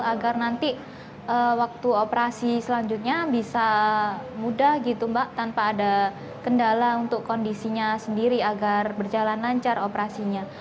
agar nanti waktu operasi selanjutnya bisa mudah gitu mbak tanpa ada kendala untuk kondisinya sendiri agar berjalan lancar operasinya